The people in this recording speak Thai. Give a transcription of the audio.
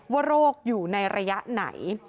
ว่าโรคอยู่ในระยะไหน